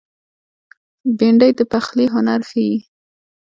بېنډۍ د پخلي هنر ښيي